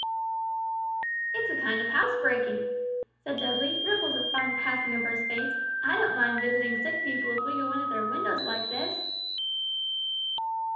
"It's a kind of housebreaking," Dudley said, ripples of fun passing over his face; "I don't mind visiting sick people if we go in at their windows like this!"